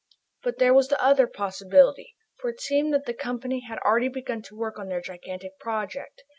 But there was the other possibility, for it seemed that the Company had already begun to work on their gigantic project.